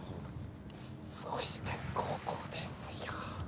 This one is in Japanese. そして、ここですよ。